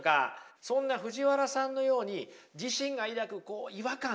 そんな藤原さんのように自身が抱く違和感ね